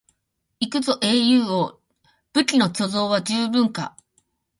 行くぞ英雄王、武器の貯蔵は十分か？